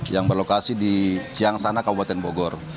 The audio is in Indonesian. yang berlokasi di siang sana kabupaten bogor